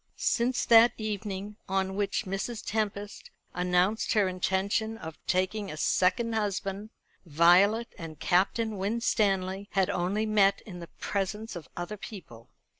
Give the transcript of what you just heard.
Since that evening on which Mrs. Tempest announced her intention of taking a second husband, Violet and Captain Winstanley had only met in the presence of other people.